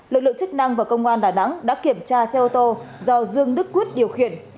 lực lượng chức năng và công an đà nẵng đã kiểm tra xe ô tô do dương đức quyết điều khiển